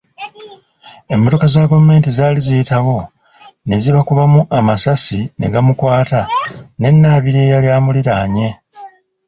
Emmotoka za gavumenti zaali ziyitawo ne zibakubamu amasasi ne gamukwata ne Nnabirye eyali amuliraanye.